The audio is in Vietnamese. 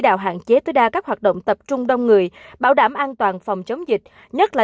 đạo hạn chế tối đa các hoạt động tập trung đông người bảo đảm an toàn phòng chống dịch nhất là